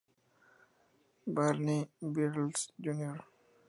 Barney Battles, Jr.